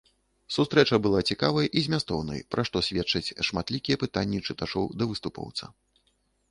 Сустрэча была цікавай і змястоўнай, пра што сведчаць шматлікія пытанні чытачоў да выступоўца.